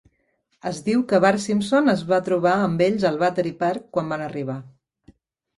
Es diu que Barsimson es va trobar amb ells al Battery Park quan van arribar.